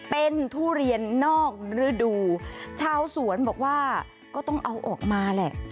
เป็นทุเรียนนอกฤดูชาวสวนบอกว่าก็ต้องเอาออกมาแหละ